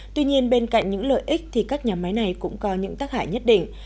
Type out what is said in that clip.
tuy nhiên bên cạnh những lợi ích thì các nhà máy này cũng có những tác hại nhất định